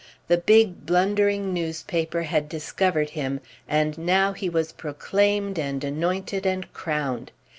The big blundering newspaper had discovered him, and now he was proclaimed and anointed and crowned.